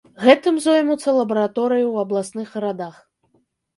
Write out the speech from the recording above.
Гэтым зоймуцца лабараторыі ў абласных гарадах.